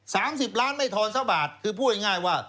สามสิบล้านไม่ทอนสักบาทคือพูดง่ายง่ายว่า